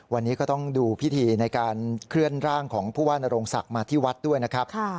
วันนี้ก็ต้องดูพิธีในการเคลื่อนร่างของผู้ว่านโรงศักดิ์มาที่วัดด้วยนะครับ